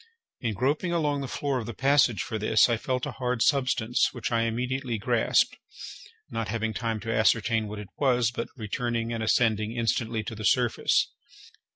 In groping along the floor of the passage for this, I felt a hard substance, which I immediately grasped, not having time to ascertain what it was, but returning and ascending instantly to the surface.